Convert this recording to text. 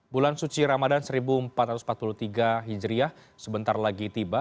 bulan suci ramadan seribu empat ratus empat puluh tiga hijriah sebentar lagi tiba